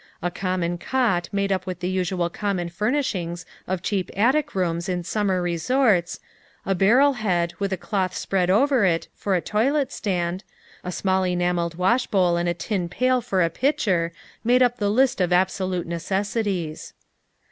A common cot made up with the usual common furnishings of cheap attic rooms in summer resorts, a barrel head, with a cloth spread over it, for a toilet stand, a small enameled washbowl and a tin pail for a pitcher, made up the list of absolute necessities.